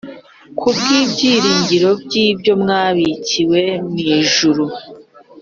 ku bw’ibyiringiro by’ibyo mwabikiwe mu ijuru